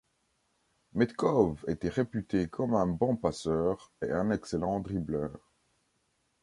Metkov était réputé comme un bon passeur et un excellent dribbleur.